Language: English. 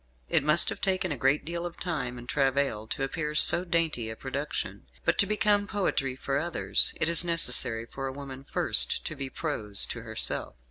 It must have taken a great deal of time and travail to appear so dainty a production. But to become poetry for others, it is necessary for a woman first to be prose to herself.